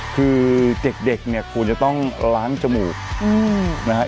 คือเด็กเนี่ยควรจะต้องล้างจมูกนะฮะ